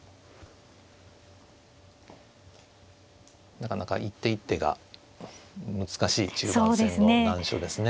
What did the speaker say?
なかなか一手一手が難しい中盤戦の難所ですね。